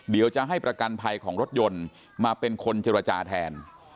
เดี๋ยวจะให้ประกันภัยของรถยนต์มาเป็นคนเจรจาแทน